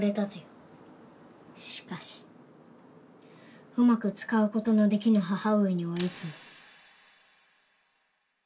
しかしうまく使う事のできぬ母上にはいつも。